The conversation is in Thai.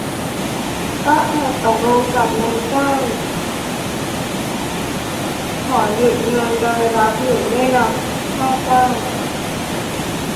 ก็อาจตกลงกับนายจ้างขอหยุดงานโดยรับหรือไม่รับค่าจ้าง